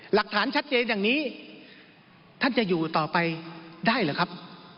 หลักฐานชัดเจนอย่างนี้ท่านจะอยู่ต่อไปได้หรือครับ